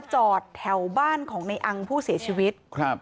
จอดแถวบ้านของในอังผู้เสียชีวิตครับ